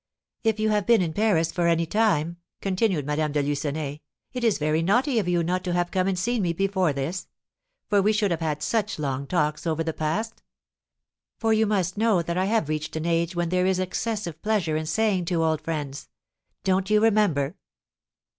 "If you have been in Paris for any time," continued Madame de Lucenay, "it is very naughty of you not to have come and seen me before this; for we should have had such long talks over the past; for you must know that I have reached an age when there is an excessive pleasure in saying to old friends, 'Don't you remember!'"